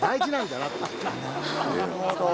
なるほど。